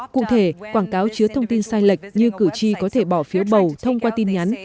cụ thể quảng cáo chứa thông tin sai lệch như cử tri có thể bỏ phiếu bầu thông qua tin nhắn